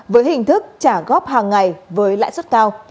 với hình thức trả góp hàng ngày với lãi suất cao